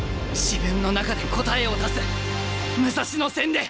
自分の中で答えを出す武蔵野戦で！